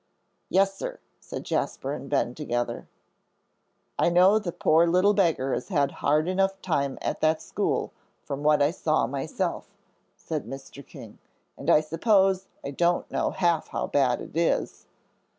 "Yes, sir," said Jasper and Ben together. "I know the poor little beggar has a hard enough time at that school, from what I saw myself," said Mr. King, "and I suppose I don't know half how bad it is."